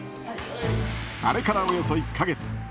あれからおよそ１か月。